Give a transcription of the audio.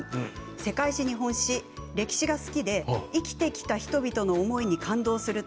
世界史、日本史、歴史が好きで生きてきた人々の思いに感動すると。